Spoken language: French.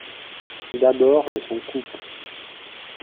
D’abord le son coupe.